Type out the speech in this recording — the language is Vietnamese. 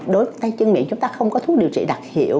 đối với tay chân miệng chúng ta không có thuốc điều trị đặc hiệu